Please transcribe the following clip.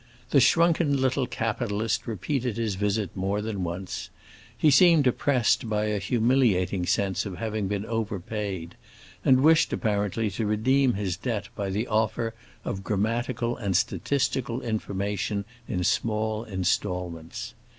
The shrunken little capitalist repeated his visit more than once. He seemed oppressed by a humiliating sense of having been overpaid, and wished apparently to redeem his debt by the offer of grammatical and statistical information in small installments.